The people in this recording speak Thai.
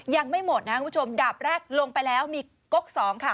ยังไม่หมดนะครับคุณผู้ชมดาบแรกลงไปแล้วมีก๊อกสองค่ะ